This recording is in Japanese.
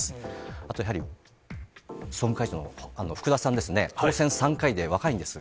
あとやはり総務会長の福田さんですね、当選３回で若いんです。